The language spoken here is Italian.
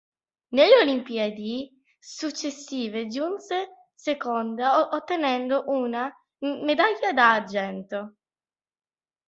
Nelle olimpiadi successive giunse seconda ottenendo una medaglia d'argento.